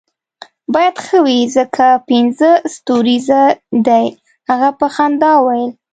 باید ښه وي ځکه پنځه ستوریزه دی، هغه په خندا وویل.